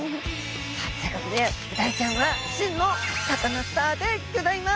ということでブダイちゃんは真のサカナスターでギョざいます！